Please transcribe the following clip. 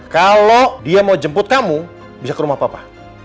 kalau dia mau jemput kamu bisa ke rumah papa